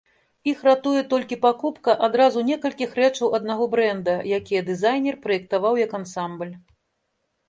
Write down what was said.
Іх ратуе толькі пакупка адразу некалькіх рэчаў аднаго брэнда, якія дызайнер праектаваў як ансамбль.